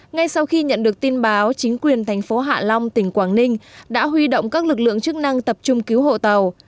ngay sau khi nhận được tin báo chính quyền thành phố hạ long tỉnh quảng ninh đã huy động các lực lượng chức năng tập trung cứu hộ tàu